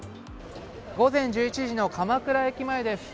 午前１１時の鎌倉駅前です。